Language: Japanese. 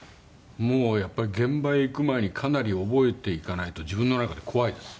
もうやっぱり現場へ行く前にかなり覚えていかないと自分の中で怖いです。